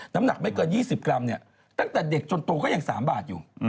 น้ำหนักไม่เกิน๒๐กรัมเนี่ยตั้งแต่เด็กจนโตก็ยัง๓บาทอยู่